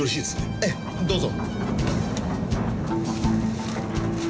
ええどうぞ。